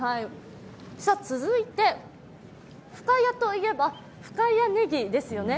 続いて、深谷といえば深谷ねぎですよね。